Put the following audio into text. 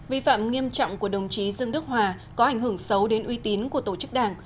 vi phạm nghiêm trọng của đồng chí dương đức hòa có ảnh hưởng xấu đến uy tín của tổ chức đảng